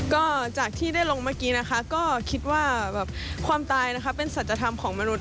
ก็จากที่ได้ลงเมื่อกี้นะคะก็คิดว่าความตายนะคะเป็นสัจธรรมของมนุษ